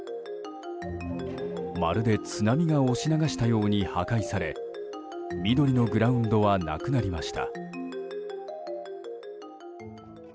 まるで津波が押し流したように破壊され緑のグラウンドはなくなりました。